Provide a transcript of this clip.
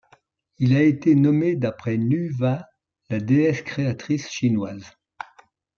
Il a été nommé d'après Nüwa, la déesse créatrice chinoise.